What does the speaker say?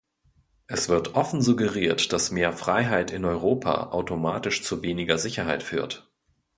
Es wird offen suggeriert, dass mehr Freiheit in Europa automatisch zu weniger Sicherheit führt.